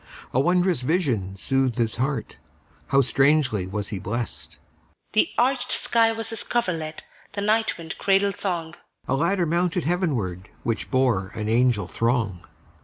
A wondrous vision soothed his heartHow strangely was he blessed! The arched sky was his coverlet, The night wind cradle song;A ladder mounted heavenwardWhich bore an angel throng.